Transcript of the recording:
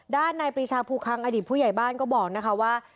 นายปรีชาภูคังอดีตผู้ใหญ่บ้านก็บอกนะคะว่า